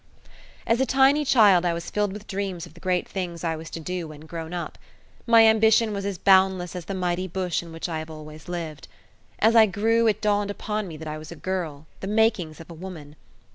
As a tiny child I was filled with dreams of the great things I was to do when grown up. My ambition was as boundless as the mighty bush in which I have always lived. As I grew it dawned upon me that I was a girl the makings of a woman!